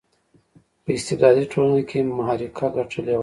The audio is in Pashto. په استبدادي ټولنه کې معرکه ګټلې وای.